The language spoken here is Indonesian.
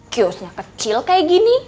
kiosnya kecil kayak gini